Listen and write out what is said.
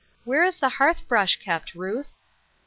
Where is the hearth brush kept, Ruth